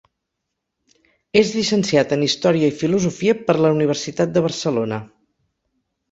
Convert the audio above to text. És llicenciat en Història i Filosofia per la Universitat de Barcelona.